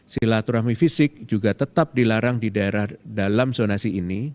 silaturahmi fisik juga tetap dilarang di daerah dalam zonasi ini